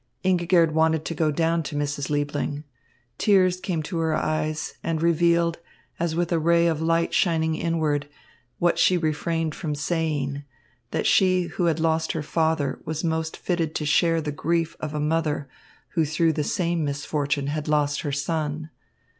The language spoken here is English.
Ingigerd wanted to go down to Mrs. Liebling. Tears came to her eyes, and revealed, as with a ray of light shining inward, what she refrained from saying, that she who had lost her father was most fitted to share the grief of a mother who through the same misfortune had lost her son.